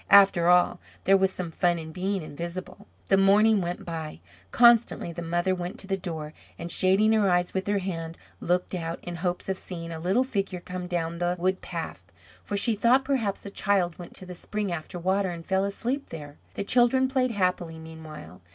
After all, there was some fun in being invisible. The morning went by. Constantly the mother went to the door, and, shading her eyes with her hand, looked out, in hopes of seeing a little figure come down the wood path, for she thought perhaps the child went to the spring after water, and fell asleep there. The children played happily, meanwhile.